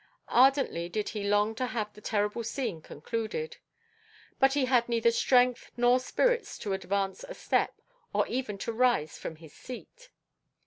Ardently did he long to have the terrible scene concluded. But he had neither strength nor spirits to advance a step, or even to rise from his seat.